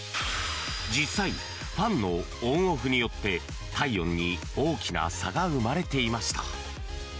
実際ファンのオン・オフによって体温に大きな差が生まれていました。